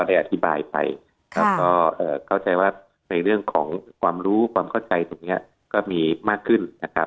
ได้อธิบายไปครับก็เข้าใจว่าในเรื่องของความรู้ความเข้าใจตรงนี้ก็มีมากขึ้นนะครับ